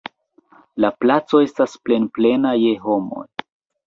La placo estas plenplena je homoj.